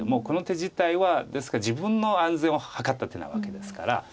この手自体はですから自分の安全を図った手なわけですから。